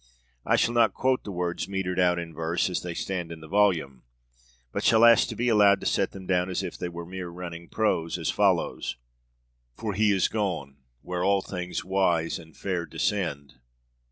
I shall not quote the words metred out in verse, as they stand in the volume, but shall ask to be allowed to set them down as if they were mere running prose, as follows: For he is gone where all things wise and fair descend.